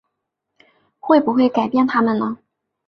会不会改变他们呢？